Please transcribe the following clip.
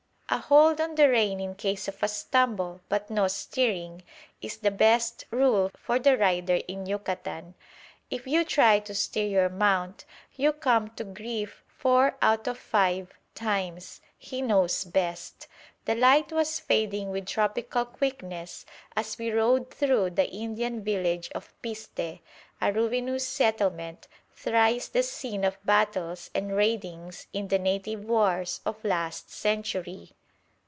A hold on the rein in case of a stumble, but no steering, is the best rule for the rider in Yucatan. If you try to steer your mount, you come to grief four out of five times; he knows best. The light was fading with tropical quickness as we rode through the Indian village of Piste, a ruinous settlement, thrice the scene of battles and raidings in the native wars of last century.